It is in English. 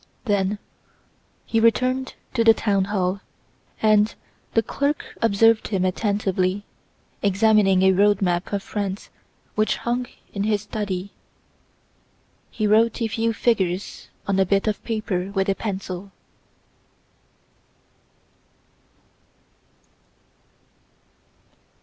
Then he returned to the town hall, and the clerk observed him attentively examining a road map of France which hung in his study. He wrote a few figures on a bit of paper with a pencil.